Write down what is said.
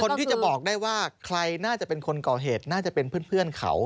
คนที่จะบอกได้ว่าใครน่าจะเป็นคนก่อเหตุน่าจะเป็นเพื่อนเขา